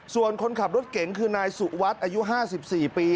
ส่วนคนขับรถเก๋งคือนายสุวัสดิ์อายุ๕๔ปี